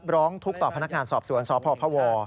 ร้องทุกข์ต่อพนักงานสอบสวนสพพว